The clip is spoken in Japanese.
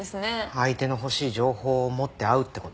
相手の欲しい情報を持って会うって事。